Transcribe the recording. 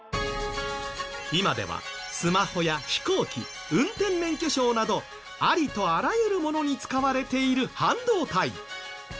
今ではスマホや飛行機運転免許証などありとあらゆるものに使われている半導体。